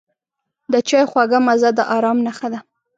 د چای خوږه مزه د آرام نښه ده.